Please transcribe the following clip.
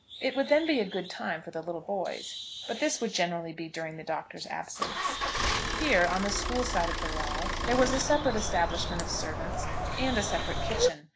It would then be a good time for the little boys. But this would generally be during the Doctor's absence. Here, on the school side of the wall, there was a separate establishment of servants, and a separate kitchen.